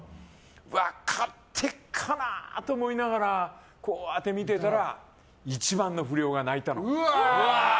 分かってるかなと思いながらこうやって見てたら一番の不良が泣いたの。